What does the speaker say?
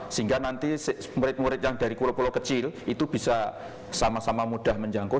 sehingga nanti murid murid yang dari pulau pulau kecil itu bisa sama sama mudah menjangkau